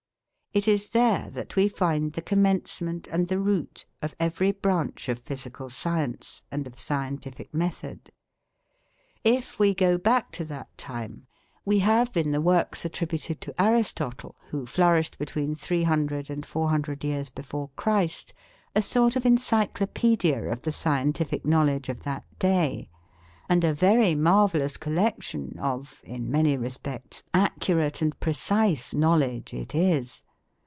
It is there that we find the commencement and the root of every branch of physical science and of scientific method. If we go back to that time we have in the works attributed to Aristotle, who flourished between 300 and 400 years before Christ, a sort of encyclopaedia of the scientific knowledge of that day and a very marvellous collection of, in many respects, accurate and precise knowledge it is.